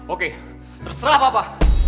oke terserah papa